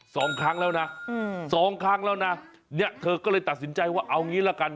สองครั้งแล้วนะอืมสองครั้งแล้วนะเนี่ยเธอก็เลยตัดสินใจว่าเอางี้ละกัน